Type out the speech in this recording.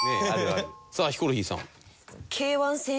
さあヒコロヒーさん。